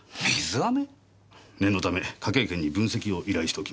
念のため科警研に分析を依頼しておきました。